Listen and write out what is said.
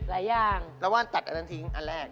แล้วว่าตัดอันทีนี้อันแรก